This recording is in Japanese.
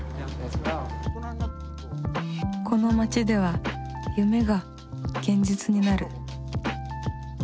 この街では夢が現実になる。